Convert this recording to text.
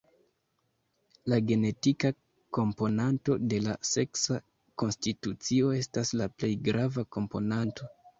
La genetika komponanto de la seksa konstitucio estas la plej grava komponanto.